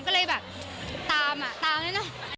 ก็เลยตามตามได้